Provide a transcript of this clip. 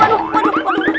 aduh aduh aduh